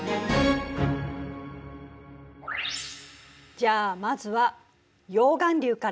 じゃあまずは溶岩流から。